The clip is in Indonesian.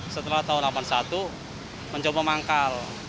setelah tahun seribu sembilan ratus delapan puluh satu mencoba manggal